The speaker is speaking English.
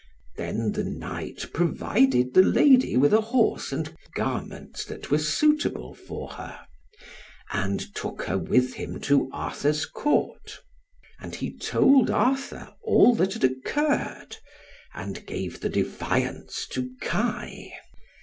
Then the knight provided the lady with a horse and garments that were suitable for her, and took her with him to Arthur's Court. And he told Arthur all that had occurred, and gave the defiance to Kai.